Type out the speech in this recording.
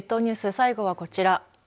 最後はこちら。